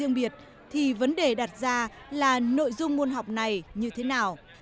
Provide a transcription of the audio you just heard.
riêng biệt thì vấn đề đặt ra là nội dung môn học này như thế nào